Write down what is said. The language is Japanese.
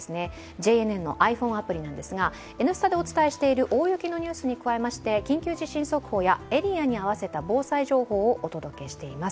ＪＮＮのｉＰｈｏｎｅアプリなんですが、「Ｎスタ」でお伝えしている大雪のニュースに加えまして緊急地震速報やエリアに合わせた防災情報をお届けしています。